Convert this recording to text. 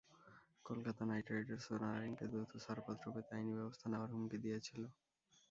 Kolkata Knight রাইডার্সও নারাইনকে দ্রুত ছাড়পত্র পেতে আইনি ব্যবস্থা নেওয়ার হুমকি দিয়েছিল।